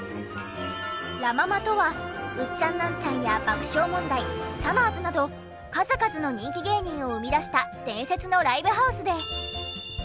ラ・ママとはウッチャンナンチャンや爆笑問題さまぁずなど数々の人気芸人を生み出した伝説のライブハウスで。